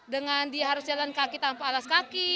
dengan dia harus jalan kaki tanpa alas kaki